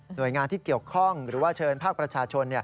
โดยงานที่เกี่ยวข้องหรือว่าเชิญภาคประชาชน